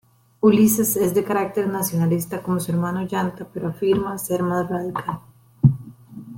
Ulises es de carácter nacionalista como su hermano Ollanta pero afirma ser "más radical".